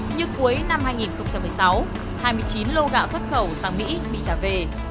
như cuối năm hai nghìn một mươi sáu hai mươi chín lô gạo xuất khẩu sang mỹ bị trả về